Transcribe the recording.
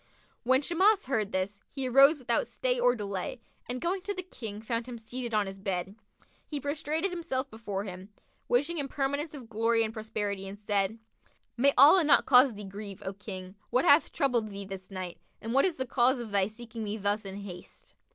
When Shimas heard this, he arose without stay or delay and going to the King, found him seated on his bed. He prostrated himself before him, wishing him permanence of glory and prosperity, and said, "May Allah not cause thee grieve, O King! What hath troubled thee this night, and what is the cause of thy seeking me thus in haste?"